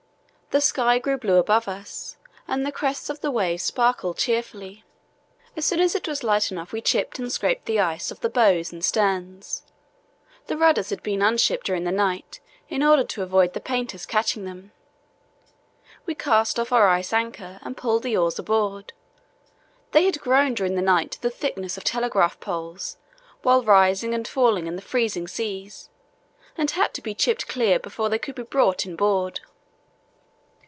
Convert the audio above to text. The sky grew blue above us and the crests of the waves sparkled cheerfully. As soon as it was light enough we chipped and scraped the ice off the bows and sterns. The rudders had been unshipped during the night in order to avoid the painters catching them. We cast off our ice anchor and pulled the oars aboard. They had grown during the night to the thickness of telegraph poles while rising and falling in the freezing seas, and had to be chipped clear before they could be brought inboard.